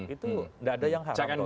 itu tidak ada yang haram